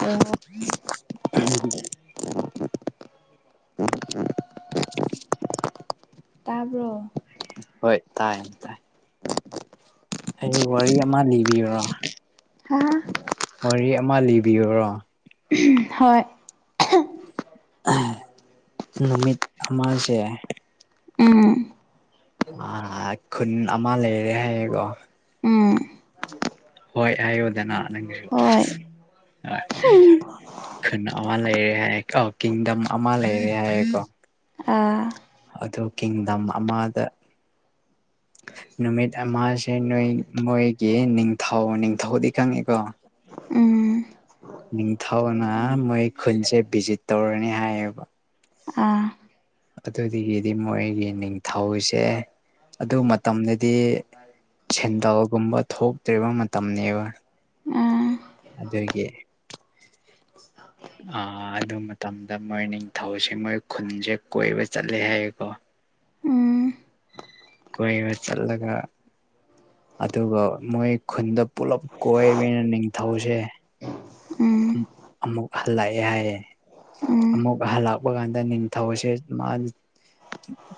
ꯑꯣ [unintelligible] [unintelligible] ꯇꯥꯕ꯭ꯔꯣ ꯍꯣꯏ ꯇꯥꯏ ꯇꯥꯏ ꯑꯩ ꯋꯥꯔꯤ ꯑꯃ ꯂꯤꯕꯤꯔꯨꯔꯣ ꯍꯥꯍꯥ ꯋꯥꯔꯤ ꯑꯃ ꯂꯤꯕꯤꯌꯨꯔꯣ ꯍꯣꯏ ꯅꯨꯃꯤꯠ ꯑꯃꯁꯦ ꯎꯝ ꯑ ꯈꯨꯟ ꯑꯃ ꯂꯩꯔꯦ ꯍꯥꯏꯌꯦꯀꯣ ꯎꯝ ꯍꯣꯏ ꯍꯥꯏꯌꯨꯗꯅ ꯅꯪꯁꯨ ꯍꯣꯏ [unintelligible] ꯈꯨꯟ ꯑꯃ ꯂꯩꯔꯦ ꯍꯥꯏꯌꯦ ꯀꯣ ꯀꯤꯡꯗꯝ ꯑꯃ ꯂꯩꯔꯦ ꯍꯥꯏꯔꯦꯀꯣ ꯑꯥ ꯑꯗꯨ ꯀꯤꯡꯗꯝ ꯑꯃꯗ ꯅꯨꯃꯤꯠ ꯑꯃꯁꯦ ꯅꯣꯏ ꯃꯣꯏꯒꯤ ꯅꯤꯡꯊꯧ ꯅꯤꯡꯊꯧꯗꯤ ꯈꯪꯉꯦꯀꯣ ꯎꯝ ꯅꯤꯡꯊꯧꯅ ꯃꯣꯏ ꯈꯨꯜꯁꯦ ꯚꯤꯖꯤꯠ ꯇꯧꯔꯅꯤ ꯍꯥꯏꯌꯦ ꯀꯣ ꯑꯥ ꯑꯗꯨꯗꯒꯤꯗꯤ ꯃꯣꯏꯒꯤ ꯅꯤꯡꯊꯧꯁꯦ ꯑꯗꯨ ꯃꯇꯝꯗꯗꯤ ꯁꯦꯟꯗꯜꯒꯨꯝꯕ ꯊꯣꯛꯇ꯭ꯔꯤꯕ ꯃꯇꯝꯅꯦꯕ ꯑꯥ ꯑꯗꯨꯒꯤ [unintelligible] ꯑ ꯑꯗꯨ ꯃꯇꯝꯗ ꯃꯣꯏ ꯅꯤꯡꯊꯧꯁꯦ ꯃꯣꯏ ꯈꯨꯟꯁꯦ ꯀꯣꯏꯕ ꯆꯠꯂꯦ ꯍꯥꯏꯌꯦꯀꯣ ꯎꯝ ꯀꯣꯏꯕ ꯆꯠꯂꯒ ꯑꯗꯨꯒ ꯃꯣꯏ ꯈꯨꯟꯗꯣ ꯄꯨꯂꯞ ꯀꯣꯏꯕꯤꯅ ꯅꯤꯡꯊꯧꯁꯦ ꯎꯝ ꯑꯃꯨꯛ ꯍꯜꯂꯛꯑꯦ ꯍꯥꯏꯌꯦ ꯎꯝ ꯑꯃꯨꯛ ꯍꯜꯂꯛꯄ ꯀꯥꯟꯗ ꯅꯤꯡꯊꯧꯁꯦ ꯃꯥ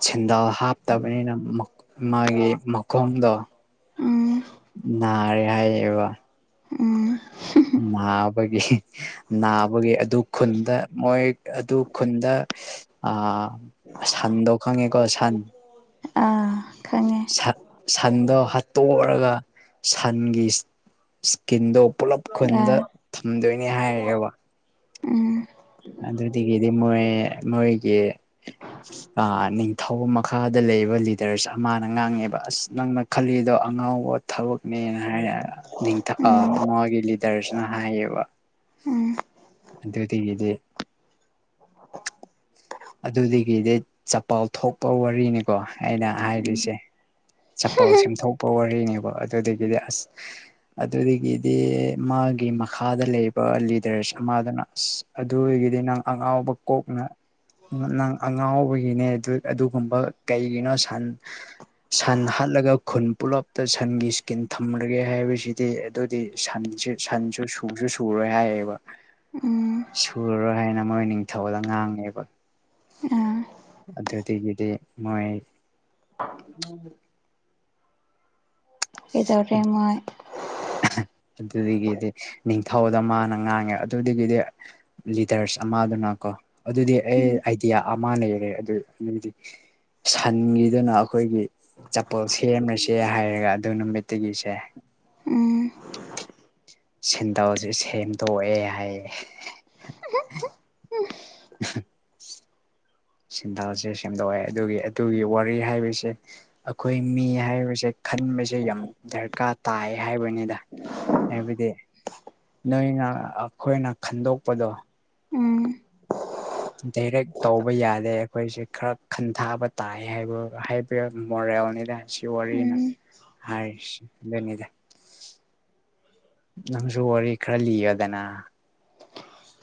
ꯁꯦꯟꯗꯜ ꯍꯥꯞꯇꯕꯅꯤꯅ ꯃꯛ ꯃꯥꯒꯤ ꯃꯈꯣꯡꯗꯣ ꯎꯝ ꯅꯥꯔꯦ ꯍꯥꯏꯌꯦꯕ ꯎꯝ ꯅꯥꯕꯒꯤ ꯅꯥꯕꯒꯤ ꯑꯗꯨ ꯈꯨꯟꯗ ꯃꯣꯏ ꯑꯗꯨ ꯈꯨꯟꯗ ꯑꯥ ꯁꯟꯗꯣ ꯈꯪꯉꯦꯀꯣ ꯁꯟ ꯑꯥ ꯈꯪꯉꯦ ꯁꯟ ꯁꯟꯗꯣ ꯍꯥꯠꯇꯣꯛꯔꯒ ꯁꯟꯒꯤ ꯏꯁꯀꯤꯟꯗꯣ ꯄꯨꯂꯞ ꯈꯨꯟꯗ ꯑꯥ ꯊꯝꯗꯣꯏꯅꯤ ꯍꯥꯏꯔꯛꯑꯦꯕ ꯎꯝ ꯑꯗꯨꯗꯒꯤꯗꯤ ꯃꯣꯏ ꯃꯣꯏꯒꯤ ꯑꯥ ꯅꯤꯡꯊꯧ ꯃꯈꯥꯗ ꯂꯩꯕ ꯂꯤꯗꯔꯁ ꯑꯃꯅ ꯉꯥꯡꯉꯦꯕ ꯑꯁ ꯅꯪꯅ ꯈꯜꯂꯤꯗꯣ ꯑꯉꯥꯎꯕ ꯊꯕꯛꯅꯦꯅ ꯍꯥꯏꯔ ꯅꯤꯡꯊ ꯎꯝ ꯃꯥꯒꯤ ꯂꯤꯗꯔꯁꯤꯅ ꯍꯥꯏꯌꯦꯕ꯫ ꯑꯗꯨꯗꯤꯒꯤꯗꯤ ꯑꯗꯨꯗꯤꯒꯤꯗꯤ ꯆꯄꯜ ꯊꯣꯛꯄ ꯋꯥꯔꯤꯅꯤꯀꯣ ꯑꯩꯅ ꯎꯝ ꯍꯥꯏꯔꯤꯁꯦ꯫ ꯆꯄꯜ ꯁꯦꯝꯊꯣꯛꯄ ꯋꯥꯔꯤꯅꯦꯕ ꯑꯗꯨꯗꯒꯤꯗꯤ ꯑꯁ ꯑꯗꯨꯗꯒꯤꯗꯤ ꯃꯥꯒꯤ ꯃꯈꯥꯗ ꯂꯩꯕ ꯂꯤꯗꯔꯁ ꯑꯃꯗꯨꯅ ꯑꯁ ꯑꯗꯨꯗꯒꯤꯗꯤ ꯅꯪ ꯑꯉꯥꯎꯕ ꯀꯣꯛꯅ ꯅ ꯅꯪ ꯑꯉꯥꯎꯕꯒꯤꯅꯦ ꯗꯨ ꯑꯗꯨꯒꯨꯝꯕ ꯀꯩꯒꯤꯅꯣ ꯁꯟ ꯁꯟ ꯍꯥꯠꯂꯒ ꯈꯨꯟ ꯄꯨꯂꯞꯇ ꯁꯟꯒꯤ ꯏꯁ꯭ꯀꯤꯟ ꯊꯝꯔꯒꯦ ꯍꯥꯏꯕꯁꯤꯗꯤ꯫ ꯑꯗꯨꯗꯤ ꯁꯟꯁꯦ ꯁꯟꯁꯨ ꯁꯨꯁꯨ ꯁꯨꯔꯣꯏ ꯍꯥꯏꯌꯦꯕ꯫ ꯎꯝ ꯁꯨꯔꯔꯣꯏ ꯍꯥꯏꯌꯦꯅ ꯃꯣꯏ ꯅꯤꯡꯊꯧꯗ ꯉꯥꯡꯉꯦꯕ꯫ ꯑꯥ ꯑꯗꯨꯗꯒꯤꯗꯤ ꯃꯣꯏ [unintelligible] ꯀꯩꯗꯧꯔꯦ ꯃꯣꯏ꯫ [unintelligible] ꯑꯗꯨꯗꯒꯤꯗꯤ ꯅꯤꯡꯊꯧꯗ ꯃꯥꯅ ꯉꯥꯡꯉꯦ ꯑꯗꯨꯗꯒꯤꯗꯤ ꯂꯤꯗꯔꯁ ꯑꯃꯗꯨꯅ ꯀꯣ ꯑꯗꯨꯗꯤ ꯑꯩ ꯎꯝ ꯑꯥꯏꯗꯤꯌꯥ ꯑꯃ ꯂꯩꯔꯦ ꯑꯗꯨ ꯑꯗꯨꯗꯤ ꯁꯟꯒꯤꯗꯨꯅ ꯑꯩꯈꯣꯏꯒꯤ ꯆꯄꯜ ꯁꯦꯝꯂꯁꯦ ꯍꯥꯏꯔꯒ ꯑꯗꯨ ꯅꯨꯃꯤꯠꯇꯒꯤꯁꯦ꯫ ꯎꯝ ꯁꯦꯟꯗꯜꯁꯦ ꯁꯦꯝꯗꯣꯛꯑꯦ ꯍꯥꯏꯌꯦ꯫ [unintelligible] ꯁꯦꯟꯗꯜꯁꯦ ꯁꯦꯝꯗꯣꯛꯑꯦ ꯑꯗꯨꯒꯤ ꯑꯗꯨꯒꯤ ꯋꯥꯔꯤ ꯍꯥꯏꯕꯁꯦ ꯑꯩꯈꯣꯏ ꯃꯤ ꯍꯥꯏꯕꯁꯦ ꯈꯟꯕꯁꯦ ꯌꯥꯝ ꯗꯔꯀꯥꯔ ꯇꯥꯏ ꯍꯥꯏꯕꯅꯤꯗ꯫ ꯍꯥꯏꯕꯗꯤ ꯅꯣꯏꯅ ꯑꯩꯈꯣꯏꯅ ꯈꯟꯗꯣꯛꯄꯗꯣ ꯎꯝ ꯎꯝ ꯗꯥꯏꯔꯦꯛ ꯇꯧꯕ ꯌꯥꯗꯦ ꯑꯩꯈꯣꯏꯁꯦ ꯈꯔ ꯈꯟꯊꯥꯕ ꯇꯥꯏ ꯍꯥꯏꯕ ꯍꯥꯏ ꯄꯤꯌꯔ ꯃꯣꯔꯦꯜꯅꯤꯗ ꯁꯤ ꯋꯥꯔꯤꯅ ꯍꯥꯏꯔꯤꯁꯤ ꯗꯨꯅꯤꯗ꯫ ꯅꯪꯁꯨ ꯋꯥꯔꯤ ꯈꯔ ꯂꯤꯌꯣꯗꯅ꯫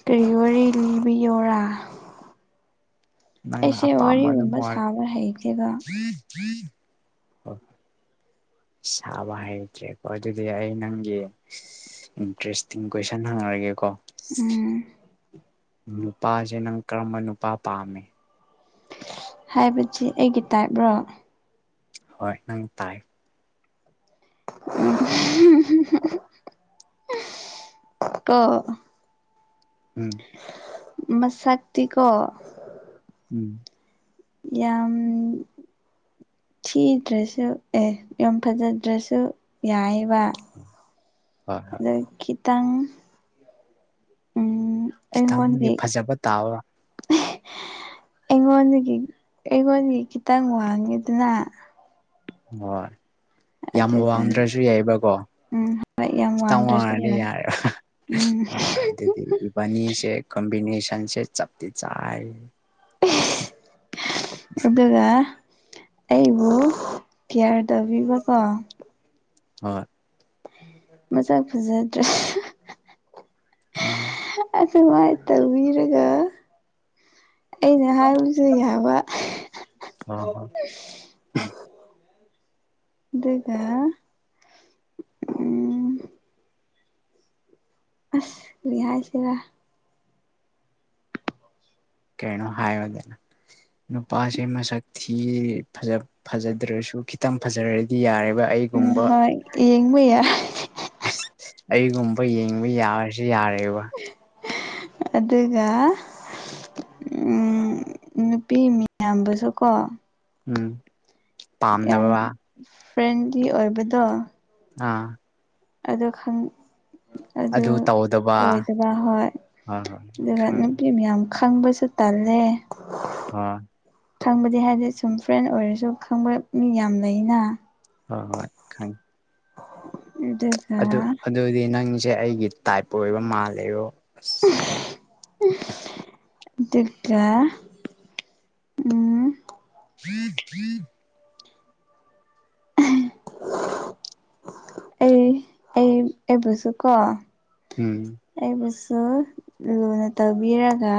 ꯀꯔꯤ ꯋꯥꯔꯤ ꯂꯤꯕꯤꯌꯣꯔꯥ꯫ ꯅꯪꯅ ꯑꯩꯁꯦ ꯑꯄꯥꯝꯕ ꯑꯗꯨꯝ ꯋꯥꯔꯤꯒꯨꯝꯕ ꯋꯔ ꯁꯥꯕ ꯍꯩꯇꯦꯕ [unintelligible] ꯁꯥꯕ ꯍꯩꯇ꯭ꯔꯦꯀꯣ ꯑꯗꯨꯗꯤ ꯑꯩ ꯅꯪꯒꯤ ꯏꯟꯇ꯭ꯔꯦꯁꯇꯤꯡ ꯀꯣꯏꯁꯟ ꯍꯪꯉꯛ ꯑꯒꯦꯀꯣ꯫ ꯎꯝ ꯅꯨꯄꯥꯁꯦ ꯅꯪ ꯀꯔꯝꯕ ꯅꯨꯄꯥ ꯄꯥꯝꯃꯦ꯫ ꯍꯥꯏꯕꯗꯤ ꯑꯩꯒꯤ ꯇꯥꯏꯞ ꯔꯣ꯫ ꯍꯣꯏ ꯅꯪ ꯇꯥꯏꯞ꯫ [unintelligible] ꯀꫭ ꯎꯝ ꯃꯁꯛꯇꯤ ꯀꯣ ꯎꯝ ꯌꯥꯝ ꯊꯤꯗ꯭ꯔꯁꯨ ꯑꯦ ꯌꯥꯝ ꯐꯖꯗ꯭ꯔꯁꯨ ꯌꯥꯑꯦꯕ꯫ [inaudible] ꯑꯗ ꯈꯤꯇꯪ ꯎꯝ ꯈꯤꯇꯪꯗꯤ ꯏꯉꫭꯟꯒꯤ ꯐꯖꯕ ꯇꯥꯕ ꯑꯩꯉꯣꯟꯗꯒꯤ ꯑꯩꯉꯣꯟꯗꯒꯤ ꯈꯤꯇꯪ ꯋꯥꯡꯉꯦꯗꯅ ꯍꯣꯏ ꯌꯥꯝ ꯑꯗꯨꯒ ꯋꯥꯡꯗ꯭ꯔꯁꯨ ꯌꯥꯏꯕꯀꯣ ꯎꯝ ꯍꯣꯏ ꯌꯥꯝ ꯈꯤꯇꯪ ꯋꯥꯡꯗ꯭ꯔꯁꯨ ꯋꯥꯡꯉꯗꯤ ꯌꯥꯏ ꯌꯥꯔ ꯎꯝ ꯍꯣꯏ ꯑꯗꯨꯗꯤ ꯏꯕꯥꯅꯤ ꯀꯝꯕꯤꯅꯦꯁꯟꯁꯦ ꯆꯞꯇꯤ ꯆꯥꯔꯦ ꯑꯗꯨꯒ ꯑꯩꯕꯨ ꯀꯤꯌꯥꯔ ꯇꯧꯕꯤꯕꯀꯣ ꯍꯣꯏ ꯃꯁꯛꯛ ꯐꯖꯗ꯭ꯔꯁꯨ ꯎꯝ ꯑꯁ ꯃꯥꯥꯏ ꯇꯧꯕꯤꯔꯒ ꯑꯩꯅ ꯍꯥꯏꯕꯁꯨ ꯌꯥꯕ ꯑ ꯍ ꯑꯗꯨꯒ ꯎꯝ ꯑꯁ ꯀꯔꯤ ꯍꯥꯏꯁꯤꯔ ꯀꯩꯅꯣ ꯍꯥꯏꯌꯣꯅꯦ ꯅꯨꯄꯥꯁꯦ ꯃꯁꯛ ꯊꯤ ꯐꯖꯗ꯭ꯔꯁꯨ ꯈꯤꯇꯪ ꯐꯖꯔꯗꯤ ꯌꯥꯔꯦꯕ ꯎꯝ ꯑꯩꯒꯨꯝꯕ ꯍꯣꯏ ꯌꯦꯡꯕ ꯌꯥꯏ ꯑꯩꯒꯨꯝꯕ ꯌꯦꯡꯕ ꯌꯥꯔꯁꯨ ꯌꯥꯔꯦꯕ ꯑꯗꯨꯒ ꯎꯝ ꯅꯨꯄꯤ ꯃꯌꯥꯝꯕꯁꯨ ꯀꯣ ꯎꯝ ꯌꯥꯝ ꯄꯥꯝꯗꯕ ꯐ꯭ꯔꯦꯟꯂꯤ ꯑꯣꯏꯕꯗꯣ ꯑꯥ ꯑꯗꯣ ꯈꯪ ꯑꯗꯨ ꯑꯣꯏꯗꯕ ꯍꯣꯏ ꯍꯣꯏ ꯍꯣꯏ ꯑꯗꯨꯒ ꯈꯪꯉꯦ ꯅꯨꯄꯤ ꯃꯌꯥꯝ ꯍꯪꯕꯁꯨ ꯇꯜꯂꯦ ꯍꯥ ꯈꯪꯕꯗꯤ ꯍꯥꯏꯗꯤ ꯁꯨꯝ ꯐ꯭ꯔꯦꯟ ꯑꯣꯏꯔꯁꯨ ꯈꯪꯕ ꯃꯤ ꯌꯥꯝ ꯂꯩꯅ ꯍꯣꯏ ꯍꯣꯏ ꯈꯪ ꯑꯗꯨ ꯑꯗꯨ ꯑꯗꯨꯗꯤ ꯅꯪꯁꯦ ꯑꯩꯒꯤ ꯇꯥꯏꯞ ꯑꯣꯏꯕ ꯃꯥꯜꯂꯦꯔꯣ ꯑꯁ ꯑꯗꯨꯒ ꯎꯝ [unintelligible] ꯑꯩ ꯑꯩ ꯑꯦꯕꯨꯁꯨ ꯀꯣ ꯎꯝ ꯑꯩꯕꯨꯁꯨ ꯂꯨꯅ ꯇꯧꯕꯤꯔꯒ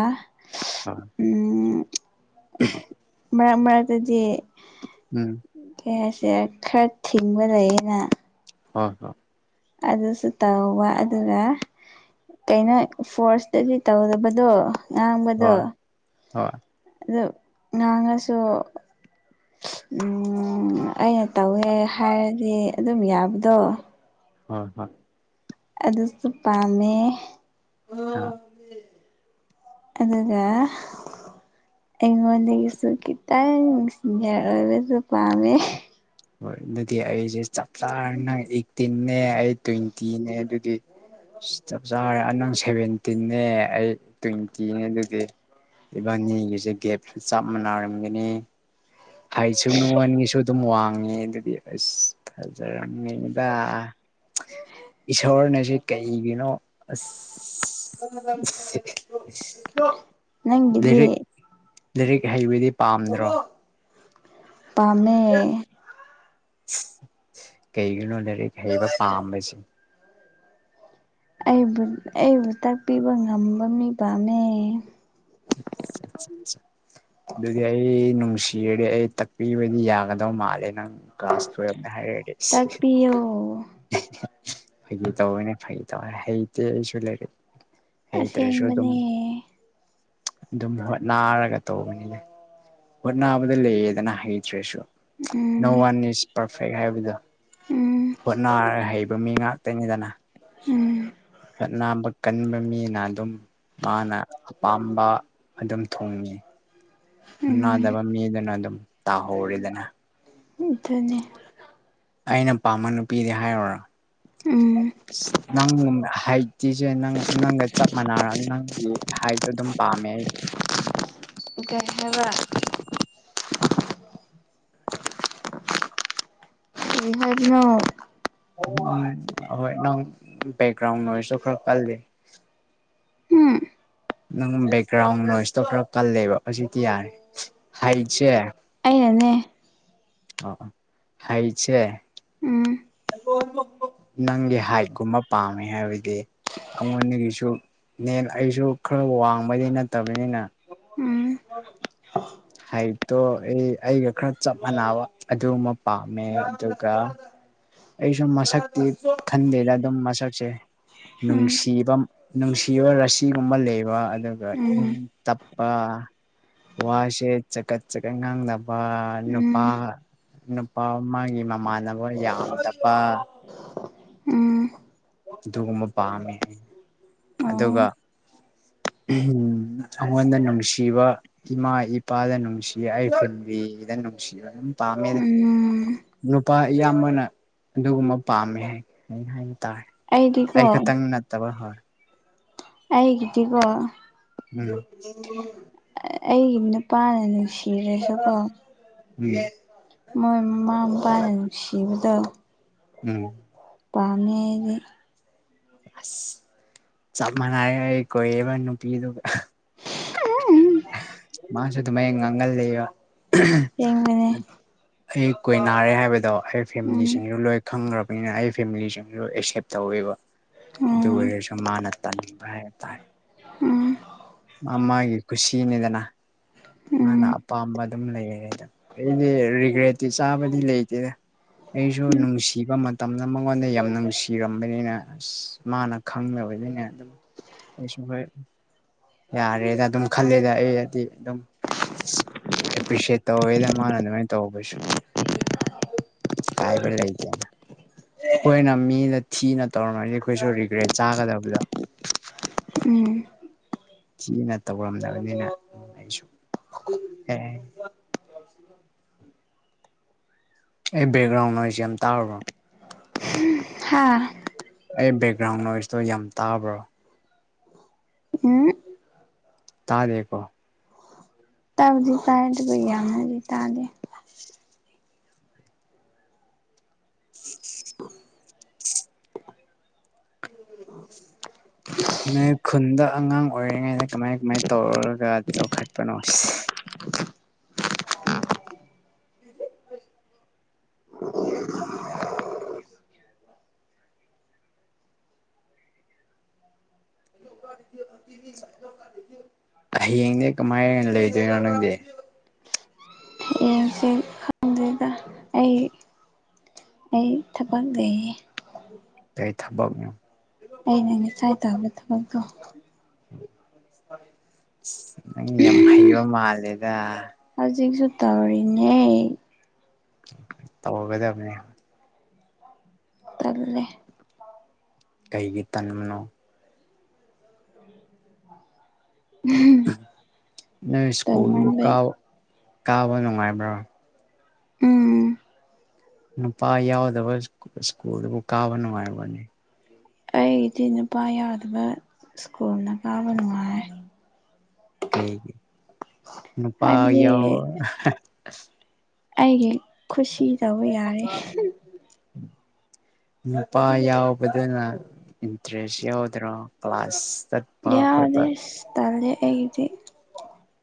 ꯍꯣꯏ ꯎꯝ [inaudible] ꯃꯔꯛ ꯃꯔꯛꯇꯗꯤ ꯎꯝ ꯀꯩꯘꯥꯏꯁꯤꯔ ꯈꯔ ꯊꯤꯡꯕ ꯂꯩꯌꯦꯅ ꯍꯣꯏ ꯍꯣꯏ ꯑꯗꯨꯁꯨ ꯇꯧꯕ ꯑꯗꯨꯒ ꯀꯩꯅꯣ ꯐꯣꯔꯁꯇꯒꯤ ꯇꯧꯗꯕꯗꯣ ꯉꯥꯡꯕꯗꯣ ꯍꯣꯏ ꯍꯣꯏ ꯑꯗꯨ ꯉꯉꯁꯨ ꯎꯝ ꯑꯩꯅ ꯇꯧꯋꯦ ꯍꯥꯏꯔꯗꯤ ꯑꯗꯨꯝ ꯌꯥꯕꯗꯣ ꯍꯣꯏ ꯍꯣꯏ ꯑꯗꯨꯁꯨ ꯄꯥꯝꯃꯦ ꯑ ꯑꯗꯨꯒ ꯑꯩꯉꯣꯟꯗꯒꯤꯁꯨ ꯈꯤꯇꯪ ꯁꯤꯅꯤꯌꯥꯔ ꯑꯣꯏꯕꯁꯨ ꯄꯥꯝꯃꯦ ꯍꯣꯏ ꯑꯗꯨꯗꯤ ꯑꯩꯁꯦ ꯆꯞ ꯆꯥꯔꯥꯅꯤ ꯅꯪ ꯑꯦꯠꯇꯤꯟꯅꯦ ꯑꯩ ꯇ꯭ꯋꯦꯟꯇꯤꯅꯦ ꯑꯗꯨꯗꯤ ꯆꯞ ꯆꯥꯔꯦ ꯅꯪ ꯁꯦꯚꯦꯟꯇꯤꯟꯅꯦ ꯑꯩ ꯇ꯭ꯋꯦꯟꯇꯤꯅꯦ ꯑꯗꯨꯗꯤ ꯏꯕꯥꯟꯅꯤꯒꯤꯁꯦ ꯒꯦꯞꯁꯨ ꯆꯞ ꯃꯥꯟꯅꯔꯝꯒꯅꯤ ꯑꯩꯁꯨ ꯅꯨꯡꯉꯣꯟꯒꯤꯁꯨ ꯑꯗꯨꯝ ꯋꯥꯡꯉꯦ ꯑꯗꯨꯗꯤ ꯑꯁ ꯐꯖꯔꯝꯅꯤꯗꯥ ꯏꯁꯣꯔꯅ ꯁꯤ ꯀꯩꯒꯤꯅꯣ ꯑꯁ [unintelligible] ꯅꯪꯒꯤꯗꯤ ꯂꯥꯏꯔꯤꯛ ꯂꯥꯏꯔꯤꯛ ꯍꯩꯕꯗꯤ ꯄꯥꯝꯗ꯭ꯔꯣ ꯄꯥꯥꯝꯃꯦ ꯀꯩꯒꯤꯅꯣ ꯂꯥꯏꯔꯤꯛ ꯍꯩꯕ ꯄꯥꯝꯕꯁꯦ ꯑꯩꯕꯨ ꯑꯩꯕꯨ ꯇꯥꯛꯄꯤꯕ ꯉꯝꯕ ꯃꯤ ꯄꯥꯝꯃꯦ ꯑꯗꯨꯗꯤ ꯑꯩ ꯅꯨꯡꯁꯤ ꯖꯤꯔꯗꯤ ꯑꯩ ꯇꯥꯛꯄꯤꯕꯗꯤ ꯌꯥꯒꯗꯧ ꯃꯥꯜꯂꯦ ꯅꯪ ꯀ꯭ꯂꯥꯁ ꯇꯨꯌꯦꯜꯞꯅꯤ ꯍꯥꯏꯔꯛꯑꯗꯤ ꯇꯥꯛꯄꯤꯌꯣ ꯐꯩꯒꯤ ꯇꯧꯕꯅꯦ ꯐꯥꯒꯤ ꯇꯧꯕꯅꯦ ꯍꯩꯇꯦ ꯑꯩꯁꯨ ꯂꯩꯔꯤꯛ ꯍꯩꯇ꯭ꯔꯁꯨ ꯑꯗꯨꯝ ꯑꯁꯦꯡꯕꯅꯦ ꯑꯗꯨꯝ ꯍꯣꯠꯅꯔꯒ ꯇꯧꯕꯅꯤ ꯍꯣꯠꯅꯕꯗ ꯂꯩꯌꯦꯗꯅ ꯍꯩꯇ꯭ꯔꯦꯁꯨ no um one is perfect ꯍꯥꯏꯕꯗꯣ ꯎꯝ ꯍꯣꯠꯅꯔ ꯍꯩꯕ ꯃꯤ ꯉꯥꯛꯇꯅꯤꯗꯅ ꯎꯝ ꯍꯣꯠꯅꯕꯥ ꯀꯟꯕ ꯃꯤꯅ ꯑꯗꯨꯝ ꯃꯥꯅ ꯑꯄꯥꯝꯕ ꯑꯗꯨꯝ ꯊꯨꯡꯉꯤ ꯎꯝ ꯍꯣꯠꯅꯥꯗꯕ ꯃꯤꯗꯨꯅ ꯑꯗꯨꯝ ꯇꯥꯍꯧꯔꯦꯗꯅ ꯎꯝ ꯑꯗꯨꯅꯤ ꯑꯩꯅ ꯄꯥꯝꯕ ꯅꯨꯄꯤꯗꯤ ꯍꯥꯏꯔꯨꯔꯥ ꯎꯝ ꯏꯁ ꯅꯪ ꯍꯥꯏꯠꯇꯤꯁꯦ ꯅꯪ ꯅꯪꯒ ꯆꯞ ꯃꯥꯟꯅꯔ ꯅꯪꯒꯤ ꯍꯥꯏꯠꯇꯣ ꯑꯗꯨꯝ ꯄꯥꯝꯃꯦ ꯑꯩꯗꯤ ꯀꯩ ꯍꯥꯏꯕꯥ ꯀꯔꯤ ꯍꯥꯏꯕꯅꯣ ꯎꯝ ꯍꯣꯏ ꯅꯪ ꯕꯦꯛꯒ꯭ꯔꯥꯎꯟ ꯑꯣꯏꯔꯁꯨ ꯈꯔ ꯀꯜꯂꯤ ꯎꯝ ꯅꯪ ꯕꯦꯛꯒ꯭ꯔꯥꯎꯟ ꯅꯣꯏꯁꯇꯣ ꯈꯔ ꯀꯜꯂꯦꯕ ꯍꯧꯖꯤꯛꯇꯤ ꯌꯥꯔꯦ ꯍꯥꯏꯠꯁꯦ ꯑꯩꯅꯅꯦ ꯑꯣ ꯍꯥꯏꯠꯁꯦ ꯎꯝ ꯅꯪꯒꯤ ꯍꯥꯏꯠꯀꯨꯝꯕ ꯄꯥꯝꯃꯦ ꯍꯥꯏꯕꯗꯤ ꯑꯩꯉꯣꯟꯗꯒꯤꯁꯨ ꯅꯦ ꯑꯩꯁꯨ ꯈꯔ ꯋꯥꯡꯕꯗꯤ ꯅꯠꯇꯕꯅꯤꯅ ꯎꯝ ꯑ ꯍꯥꯏꯠꯇꯣ ꯑꯩ ꯑꯩꯒ ꯈꯔ ꯆꯞ ꯃꯥꯟꯅꯕ ꯑꯗꯨꯕ ꯄꯥꯝꯃꯦ ꯑꯗꯨꯒ ꯑꯩꯁꯨ ꯃꯁꯛꯇꯤ ꯈꯟꯗꯦꯗ ꯑꯗꯨꯝ ꯃꯁꯛꯁꯦ ꯅꯨꯡꯁꯤꯕ ꯅꯨꯡꯁꯤꯕ ꯔꯥꯁꯤꯒꯨꯝꯕ ꯂꯩꯕ ꯑꯗꯨꯒ ꯏꯪ ꯎꯝ ꯇꯞꯄ ꯋꯥꯁꯦ ꯆꯒꯠ ꯆꯒꯠ ꯉꯥꯡꯗꯕ ꯎꯝ ꯎꯝ ꯅꯨꯄꯥ ꯅꯨꯄꯥꯃꯒꯤ ꯃꯃꯥꯟꯅꯕ ꯌꯥꯝ ꯇꯕ ꯎꯝ ꯑꯗꯨꯒꯨꯝꯕ ꯄꯥꯝꯃꯦ ꯑꯗꯨꯒ ꯑꯣ ꯎꯝ ꯑꯉꯣꯟꯗ ꯅꯨꯡꯁꯤꯕ ꯏꯃꯥ ꯏꯄꯥꯗ ꯅꯨꯡꯁꯤ ꯑꯩ ꯐꯨꯟꯕꯤꯗ ꯅꯨꯡꯁꯤꯕ ꯑꯗꯨꯝ ꯄꯥꯝꯃꯦꯗ ꯎꯝ ꯅꯨꯄꯥ ꯑꯌꯥꯝꯕꯅ ꯑꯗꯨꯒꯨꯝꯕ ꯄꯥꯝꯃꯦ ꯍꯥꯏ ꯍꯥꯏꯕꯇꯥꯔꯦ ꯑꯩꯗꯤꯀꯣ ꯑꯩ ꯈꯛꯇꯪ ꯅꯠꯇꯕ ꯍꯣꯏ ꯑꯩꯒꯤꯗꯤꯀꯣ ꯎꯝ ꯑꯩꯒꯤ ꯅꯨꯄꯥꯅ ꯅꯨꯡꯁꯤꯔꯁꯨꯀꯣ ꯎꯝ ꯃꯣꯏ ꯃꯃꯥ ꯃꯄꯥꯅ ꯅꯨꯡꯁꯤꯕꯗꯣ ꯎꯝ ꯄꯝꯃꯦ ꯑꯩꯗꯤ ꯑꯁ ꯆꯞ ꯃꯟꯅꯩꯌꯦ ꯑꯩ ꯀꯣꯏꯔꯤꯕ ꯅꯨꯄꯤꯗꯨꯒ [inaudible] ꯃꯥꯁꯨ ꯑꯗꯨꯃꯥꯢꯅ ꯉꯥꯡꯒꯟꯂꯦꯕ ꯁꯦꯝꯕꯅꯦ ꯑꯩ ꯀꯣꯏꯅꯥꯔꯦ ꯍꯥꯏꯕꯗꯣ ꯑꯩ ꯎꯝ ꯐꯦꯃꯤꯂꯤꯁꯤꯡꯒꯥ ꯂꯣꯏ ꯈꯪꯒꯔꯕꯅꯤꯅ ꯑꯩ ꯐꯦꯃꯤꯂꯤꯁꯤꯡꯁꯨ ꯑꯦꯛꯁꯦꯞ ꯇꯧꯋꯦꯕ ꯑꯗꯨ ꯎꯝ ꯑꯣꯏꯔꯁꯨ ꯃꯥꯅ ꯇꯥꯟꯕ ꯍꯥꯏꯕꯇꯥꯔꯦ ꯎꯝ ꯑꯃꯒꯤ ꯀꯨꯁꯤꯅꯤꯗꯅ ꯃꯥꯅ ꯎꯝ ꯑꯄꯥꯝꯕ ꯑꯗꯨꯝ ꯂꯩꯔꯦꯗ ꯑꯩꯗꯤ ꯔꯤꯒ꯭ꯔꯦꯠꯇꯤ ꯆꯥꯕꯗꯤ ꯂꯩꯇꯦꯗ ꯑꯩꯁꯨ ꯅꯨꯡꯁꯤꯕ ꯃꯇꯝꯗꯣ ꯃꯉꯣꯟꯗ ꯌꯥꯝ ꯅꯨꯡꯁꯤꯔꯝꯕꯅꯤꯅ ꯑꯁ ꯃꯥꯅ ꯈꯪꯗꯕꯅꯤꯅ ꯑꯗꯨꯝ ꯑꯩꯁꯨ ꯍꯦꯛ ꯌꯥꯔꯦꯗ ꯑꯗꯨꯝ ꯈꯜꯂꯦꯗ ꯑꯩ ꯍꯥꯏꯗꯤ ꯑꯗꯨꯝ ꯑꯦꯄ꯭ꯔꯤꯁꯤꯌꯦꯠ ꯇꯧꯋꯦꯗ ꯃꯥꯅ ꯑꯗꯨꯃꯥꯢ ꯇꯧꯕꯁꯦ ꯀꯥꯏꯕ ꯂꯩꯇꯦ ꯈꯣꯏꯅ ꯃꯤꯗ ꯊꯤꯅ ꯇꯧꯔꯝꯃꯗꯤ ꯈꯣꯏꯁꯨ ꯔꯤꯒ꯭ꯔꯦꯠ ꯆꯥꯒꯗꯕꯗꯣ ꯎꯝ ꯊꯤꯅ ꯇꯧꯔꯝꯗꯕꯅꯤꯅ ꯑꯩꯁꯨ ꯑꯦ [inaudible] ꯑꯩ ꯕꯦꯛꯒ꯭ꯔꯥꯎꯟ ꯅꯣꯁꯁꯦ ꯌꯥꯝ ꯇꯥꯕ꯭ꯔꯣ ꯍꯥꯥ ꯑꯩ ꯕꯦꯛꯒ꯭ꯔꯥꯎꯟ ꯅꯣꯏꯁꯇꯣ ꯌꯥꯝ ꯇꯥꯕ꯭ꯔꯣ ꯎꯝ ꯇꯥꯗꯦꯀꯣ ꯇꯕꯨꯗꯤ ꯇꯥꯢ ꯑꯗꯨꯒ ꯌꯥꯝꯅꯗꯤ ꯇꯥꯗꯦ [inaudible] ꯅꯣꯏ ꯈꯨꯟꯗ ꯑꯉꯥꯡ ꯑꯣꯏꯔꯤꯉꯩꯗ ꯀꯃꯥꯏ ꯀꯃꯥꯏ ꯇꯧꯔꯒ ꯆꯥꯎꯈꯠꯄꯅꯣ [inaudible] [inaudible] ꯍꯌꯦꯡꯅꯦ ꯀꯃꯥꯏꯅ ꯂꯩꯗꯣꯏꯅꯣ ꯅꯪꯗꯤ ꯍꯥꯌꯦꯡꯁꯦ ꯈꯪꯗꯦ ꯗꯥꯑꯩ ꯑꯩ ꯊꯕꯛ ꯂꯩꯌꯦ ꯀꯩ ꯊꯕꯛꯅꯣ ꯑꯩꯅ ꯉꯁꯥꯏ ꯇꯧꯕ ꯊꯕꯛꯇꯣ ꯏꯁ ꯅꯪ ꯌꯥꯝ ꯍꯩꯕ ꯃꯥꯜꯂꯦꯗ ꯍꯧꯖꯤꯛꯁꯨ ꯇꯧꯔꯤꯅꯦ ꯇꯧꯒꯗꯝꯅꯤ ꯇꯜꯂꯦ ꯀꯩꯒꯤ ꯇꯟꯕꯅꯣ ꯅꯣꯏ ꯁ꯭ꯀꯨꯜꯗꯨꯕꯨ ꯇꯟꯃꯟꯕꯩ ꯀꯥꯕ ꯀꯥꯕ ꯅꯨꯡꯉꯥꯏꯕ꯭ꯔꯣ ꯎꯝ ꯅꯨꯄꯥ ꯌꯥꯎꯗꯕ ꯁ꯭ꯀꯨꯜꯗꯨꯕꯨ ꯀꯥꯕ ꯅꯨꯡꯉꯥꯏꯕꯣꯅꯦ ꯑꯩꯒꯤꯗꯤ ꯅꯨꯄꯥ ꯌꯥꯎꯗꯕ ꯁ꯭ꯀꯨꯜꯅ ꯀꯥꯕ ꯅꯨꯡꯉꯥꯏꯌꯦ ꯀꯩꯒꯤ ꯅꯨꯄꯥ ꯍꯥꯏꯕꯗꯤ ꯌꯥꯎ ꯑꯩꯒꯤ ꯈꯨꯁꯤ ꯇꯧꯕ ꯌꯥꯔꯦ [inaudible] ꯅꯨꯄꯥ ꯌꯥꯎꯕꯗꯨꯅ ꯏꯟꯇꯔꯦꯁ ꯌꯥꯎꯗ꯭ꯔꯣ ꯀ꯭ꯂꯥꯁꯇ ꯌꯥꯎꯗꯦ ꯏꯁ ꯇꯜꯂꯦ ꯑꯩꯒꯤꯗꯤ